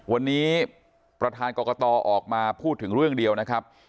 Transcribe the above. วันนี้ประธานกรกตออกมาพูดถึงเรื่องเดียวนะครับ